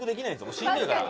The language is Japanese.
もんしんどいから。